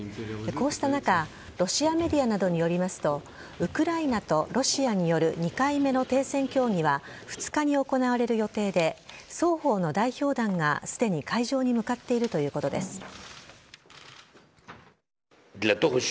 こうした中、ロシアメディアなどによりますと、ウクライナとロシアによる２回目の停戦協議は２日に行われる予定で、双方の代表団がすでに会場に向かっているということです。